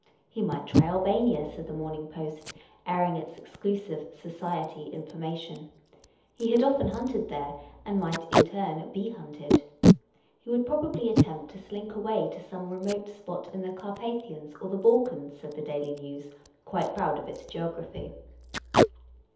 He might try AJbania, said the Morning Post, airing its exclusive "society" information; he had often hunted there, and might in turn be hunted. He would probably attempt to slink away to some remote spot in the Carpathians or the Balkans, said the Daily Nczvs, quite proud of its geography.